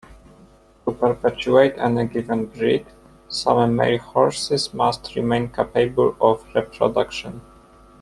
To perpetuate any given breed, some male horses must remain capable of reproduction.